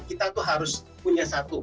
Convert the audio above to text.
kita tuh harus punya satu